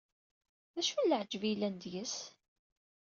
D acu n leɛǧeb yellan deg-s?